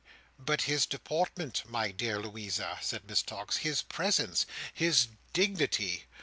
"But his deportment, my dear Louisa!" said Miss Tox. "His presence! His dignity!